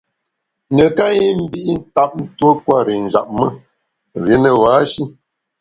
Neká i mbi ntap tuo kwer i njap me, rié ne ba-shi.